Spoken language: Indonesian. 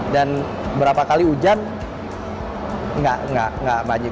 dan berapa kali hujan tidak banyak